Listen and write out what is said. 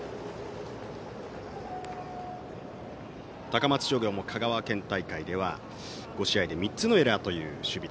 高松商業も香川県大会では５試合で３つのエラーという守備。